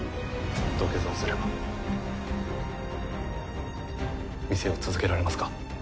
土下座をすれば店を続けられますか？